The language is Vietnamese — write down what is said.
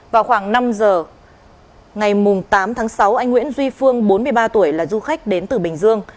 vào khoảng năm giờ ngày tám tháng sáu anh nguyễn duy phương bốn mươi ba tuổi là du khách đến từ bình dương